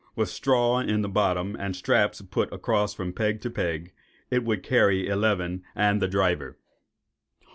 With straw in the bottom, and straps put across from peg to peg, it would carry eleven, and the driver.